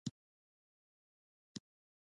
خصوصي سکتور څنګه شریک دی؟